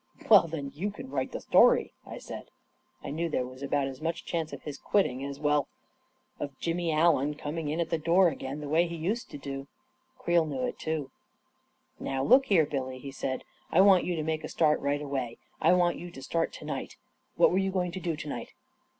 "Well, then you can write the story," I said. I knew there was about as much chance of his quit ting as of — well, as of Jimmy Allen coming in at the door again, the way he used to do. Creel knew it too. 11 Now, look here, Billy," he said, " I want you to make a start, anyway. I want you to start to . night. What were you going to do to night?"